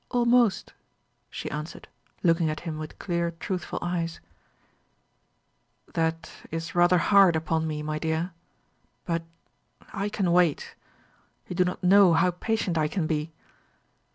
"Almost," she answered, looking at him with clear truthful eyes. "That is rather hard upon me, my dear. But I can wait. You do not know how patient I can be."